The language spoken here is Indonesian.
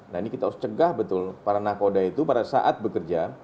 nah ini kita harus cegah betul para nakoda itu pada saat bekerja